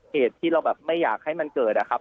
เหตุที่เราแบบไม่อยากให้มันเกิดอะครับ